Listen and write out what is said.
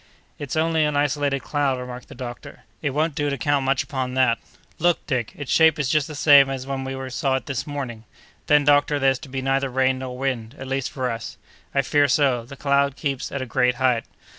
"It's only an isolated cloud," remarked the doctor. "It won't do to count much upon that." "Look, Dick, its shape is just the same as when we saw it this morning!" "Then, doctor, there's to be neither rain nor wind, at least for us!" "I fear so; the cloud keeps at a great height."